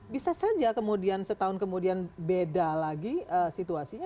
bisa saja kemudian setahun kemudian beda lagi situasinya